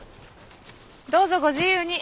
どうぞご自由に。